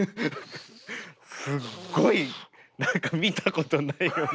すっごい何か見たことないような。